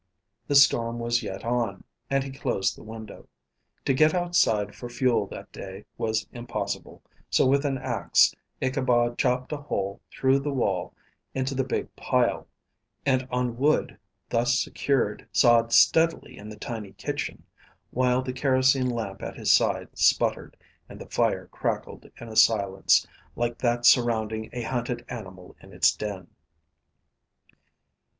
The storm was yet on, and he closed the window. To get outside for fuel that day was impossible, so with an axe Ichabod chopped a hole through the wall into the big pile, and on wood thus secured sawed steadily in the tiny kitchen, while the kerosene lamp at his side sputtered, and the fire crackled in a silence, like that surrounding a hunted animal in its den.